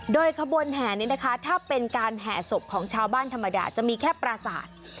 โดยขบวนแห่นี้นะคะถ้าเป็นการแห่ศพของชาวบ้านธรรมดาจะมีแค่ปราศาสตร์